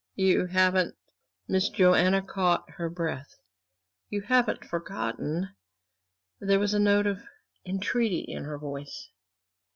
You haven't" Miss Joanna caught her breath "you haven't forgotten?" There was a note of entreaty in her voice.